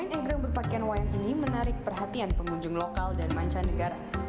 egrang berpakaian wayang ini menarik perhatian pengunjung lokal dan mancanegara